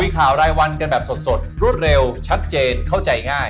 มีข่าวรายวันกันแบบสดรวดเร็วชัดเจนเข้าใจง่าย